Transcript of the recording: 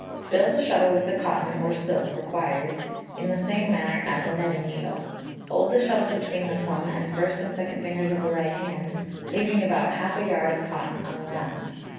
Fill the shuttle with the cotton (or silk) required, in the same manner as a netting needle. Hold the shuttle between the thumb and first and second fingers of the right hand, leaving about half a yard of cotton unwound.